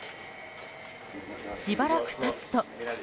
しばらく経つと。